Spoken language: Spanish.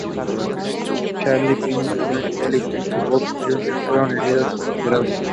Charlie Pitts murió y Cole, Jim y Bob Younger fueron heridos y capturados.